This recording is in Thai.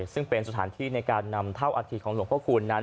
ซึ่งเป็นสถานที่ในการนำทุกที่ลงพ่อคูณ